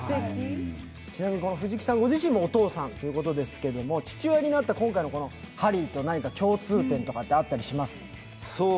ちなみに藤木さんご自身もお父さんですけれども、父親になった今回のハリーと何か共通点ってあったりします？